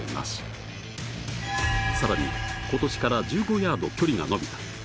しかも今年から１５ヤード距離が伸びた。